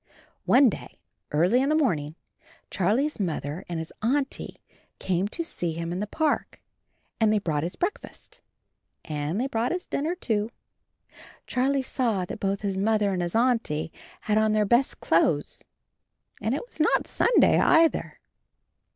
One day, early in the morning, Charlie's Mother and his Auntie came to see him in the park, and they brought his breakfast — and they brought his dinner, too. Charlie saw that both his Mother and his Auntie had on their best clothes, and it was not Sunday either.